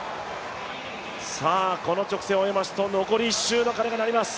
この直線を終えますと、残り１周の鐘が鳴ります。